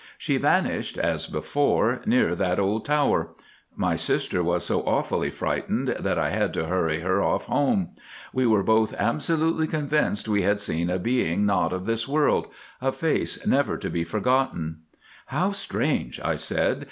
She vanished, as before, near that old tower. My sister was so awfully frightened that I had to hurry her off home. We were both absolutely convinced we had seen a being not of this world—a face never to be forgotten." "How strange," I said.